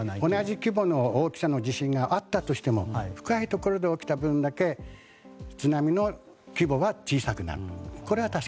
同じ規模の大きさの地震があったとしても深いところで起きた分だけ津波の規模は小さくなる。